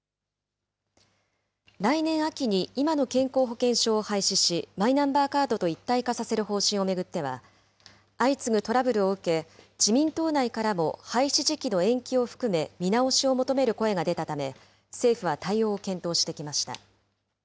来年秋に今の健康保険証を廃止し、マイナンバーカードと一体化させる方針を巡っては、相次ぐトラブルを受け、自民党内からも廃止時期の延期を含め、見直しを求める声が出たため、政府は対応を検討してきました。